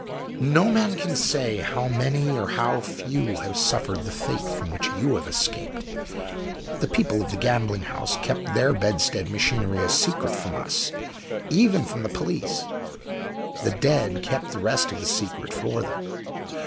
No man can say how many or how few have suffered the fate from which you have escaped. The people of the gambling house kept their bedstead machinery a secret from us even from the police! The dead kept the rest of the secret for them.